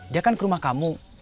dia kan ke rumah kamu